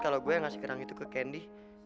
kalau gue ngasih kerang itu ke candy